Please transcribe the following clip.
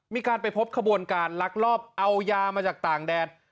มีการไปพบขบวนการลักลอบเอายามาจากต่างแดด